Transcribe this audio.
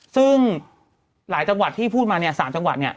ซึ่งหลายจังหวัดที่พูดมาเนี่ย๓จังหวัดเนี่ย